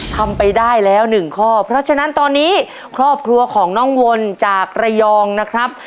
ทำไปได้แล้วหนึ่งข้อเพราะฉะนั้นตอนนี้ครอบครัวของน้องวนจากระยองนะครับ